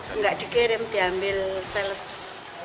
tidak dikirim diambil salesnya datang ke sini